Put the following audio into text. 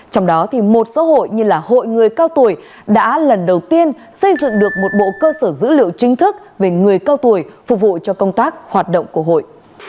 trong đó thì một số hội như là hội người cao tuổi đã lần đầu tiên xây dựng được một bộ cơ sở dữ liệu chính thức về người cao tuổi phục vụ cho công tác hoạt động của hội